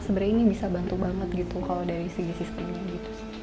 sebenarnya ini bisa bantu banget gitu kalau dari segi sistemnya gitu